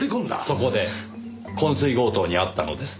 そこで昏睡強盗に遭ったのですね？